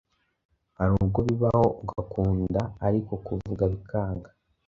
harubwo bibaho ugakunda ariko kuvuga bikanga